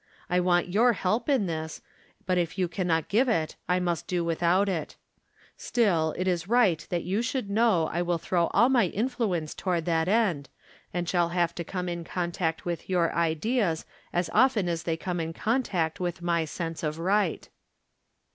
I want your help in this, but if you can not give it I must do without it. Still, it is right that you should know I will throw all my influence to 174 From Different Standpoints. ward that end, and shall have to come in contact with your ideas as often as they come in contact with my sense of right."